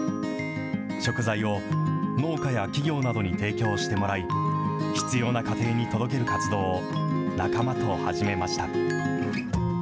食材を農家や企業などに提供してもらい、必要な家庭に届ける活動を仲間と始めました。